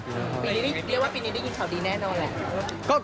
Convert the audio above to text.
เรียกว่าปีนี้ได้ยินข่าวดีแน่นอน